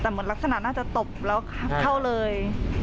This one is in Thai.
แต่เหมือนลักษณะน่าจะตบแล้วเข้าเลย